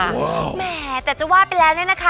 แหมแต่จะว่าไปแล้วเนี่ยนะคะ